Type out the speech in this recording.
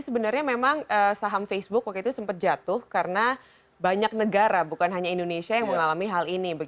karena sekarang saham facebook waktu itu sempat jatuh karena banyak negara bukan hanya indonesia yang mengalami hal ini